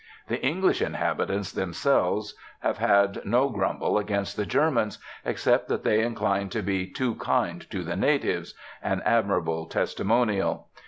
The English inhabitants themselves have had no grumble against the Germans except that they incline to be 'too kind to the natives' an admirable testimonial.